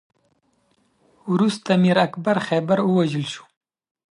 وروسته میر اکبر خیبر ووژل شو.